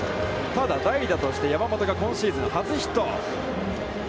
ただ、代打として山本が今シーズン初ヒット。